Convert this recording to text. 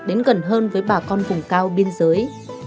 đến gần hơn với bà con vùng cao biên giới